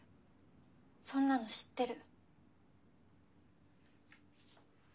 そんなの知ってる。